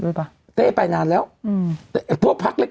ด้วยปะไปนานแล้วอือพวกพรักแรก